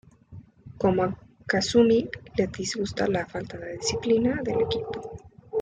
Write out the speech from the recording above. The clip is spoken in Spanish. Como a Kasumi, le disgusta la falta de disciplina del equipo.